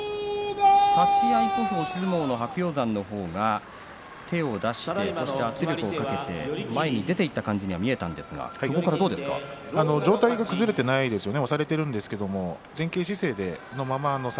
立ち合いこそ押し相撲の白鷹山の方が手を出して圧力をかけて前に出ていった感じには見えたんですが上体が崩れていないですね。